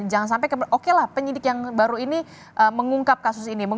jangan sampai okelah penyidik yang baru ini mengungkap kasus ini